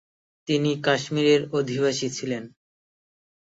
তিনি কাশ্মীরের অধিবাসী ছিলেন।